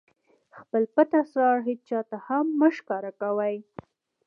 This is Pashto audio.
خپل پټ اسرار هېچاته هم مه ښکاره کوئ!